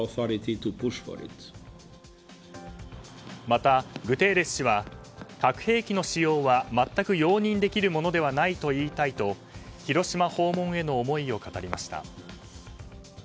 また、グテーレス氏は核兵器の使用は全く容認できるものではないと言いたいと広島訪問への思いを語りました。